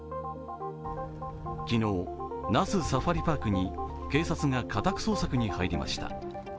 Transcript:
昨日、那須サファリパークに警察が家宅捜索に入りました。